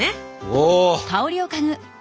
お！